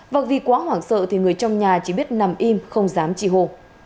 và vì quá hoảng sợ thì người trong nhà chỉ biết nằm im không dám chị hồ